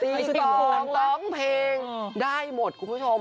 ร้องเพลงได้หมดคุณผู้ชม